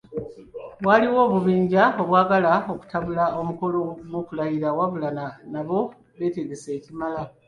Waliwo obubinja obwagala okutabula omukolo gw'okulayira, wabula nabo beetegese ekimala.